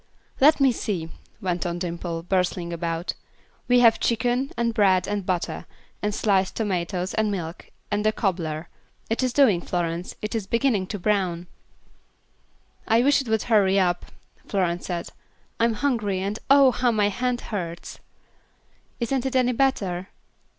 "Let me see," went on Dimple, bustling about. "We have chicken, and bread and butter, and sliced tomatoes, and milk, and the 'cobbler.' It is doing, Florence; it is beginning to brown." "I wish it would hurry up," Florence said. "I'm hungry, and, oh! how my hand hurts." "Isn't it any better?"